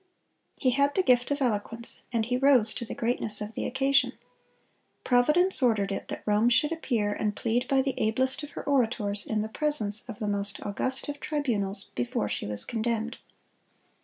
"He had the gift of eloquence, and he rose to the greatness of the occasion. Providence ordered it that Rome should appear and plead by the ablest of her orators in the presence of the most august of tribunals, before she was condemned."